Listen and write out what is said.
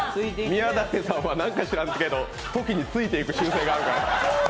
宮舘さんは何か知らんけど、トキについてい習性があるから。